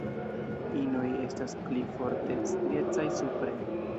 Inoj estas pli forte striecaj supre.